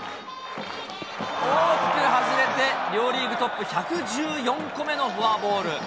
大きく外れて、両リーグトップ１１４個目のフォアボール。